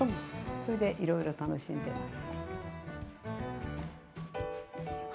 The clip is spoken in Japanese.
それでいろいろ楽しんでます。